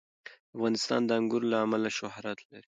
افغانستان د انګور له امله شهرت لري.